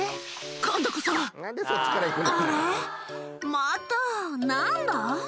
また！何だ？」